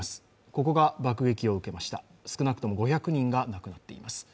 ここが爆撃を受けました、少なくとも５００人が亡くなっています。